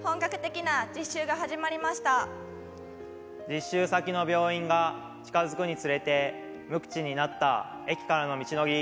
「実習先の病院が近づくにつれて無口になった駅からの道のり」。